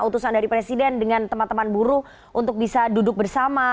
utusan dari presiden dengan teman teman buruh untuk bisa duduk bersama